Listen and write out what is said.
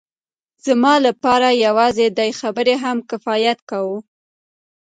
زما لپاره یوازې دې خبرې هم کفایت کاوه